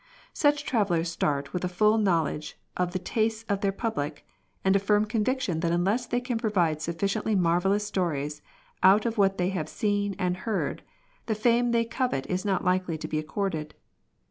Such travellers start with a full knowledge of the tastes of their public, and a firm conviction that unless they can provide sufficiently marvellous stories out of what they have seen and heard, the fame they covet is not likely to be accorded..